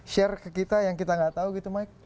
share ke kita yang kita nggak tahu gitu mike